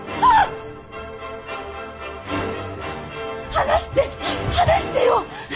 離して離してよ！